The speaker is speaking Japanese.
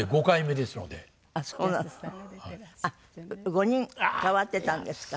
５人代わってたんですか。